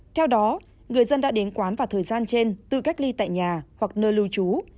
theo đó người dân đã đến quán và thời gian trên tự cách ly tại nhà hoặc nơi lưu trú